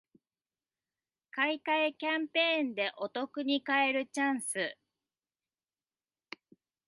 買い換えキャンペーンでお得に買えるチャンス